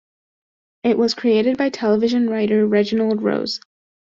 It was created by television writer Reginald Rose.